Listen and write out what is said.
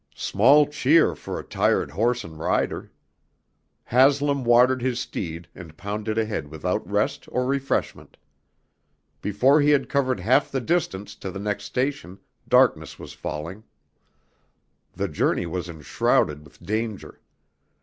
Small cheer for a tired horse and rider! Haslam watered his steed and pounded ahead without rest or refreshment. Before he had covered half the distance to the next station, darkness was falling. The journey was enshrouded with danger.